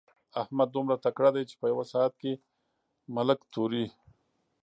احمد دومره تکړه دی چې په يوه ساعت کې ملک توري.